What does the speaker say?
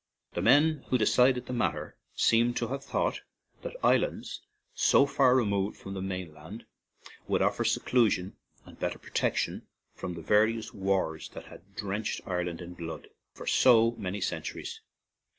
The men who de cided the matter seem to have thought that islands so far removed from the main land would offer seclusion and better pro tection from the various wars that had drenched Ireland in blood for so many centuries.